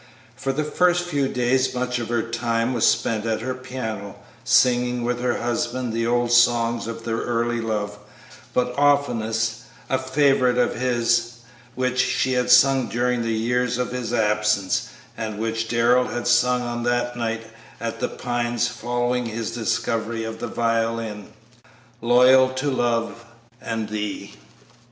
For the first few days much of her time was spent at her piano, singing with her husband the old songs of their early love, but oftenest a favorite of his which she had sung during the years of his absence, and which Darrell had sung on that night at The Pines following his discovery of the violin, "Loyal to Love and Thee."